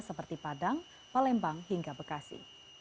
seperti padang palembang hingga bekasi